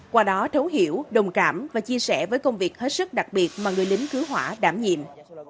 qua đó thấu hiểu đồng cảm và chia sẻ với công việc hết sức đặc biệt mà người lính cứu hỏa đảm nhiệm